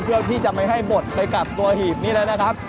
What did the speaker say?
เพื่อที่จะไม่ให้หมดไปกับตัวหีบนี้แล้วนะครับ